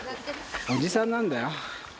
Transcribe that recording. おじさんなんだよ。